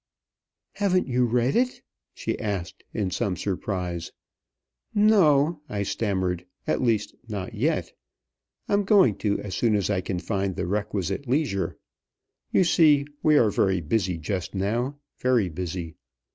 "Haven't you read it?" she asked in some surprise. "No," I stammered. "At least, not yet. I'm going to as soon as I can find the requisite leisure. You see, we are very busy just now very busy.